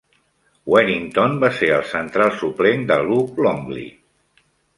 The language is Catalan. Wennington va ser el central suplent de Luc Longley.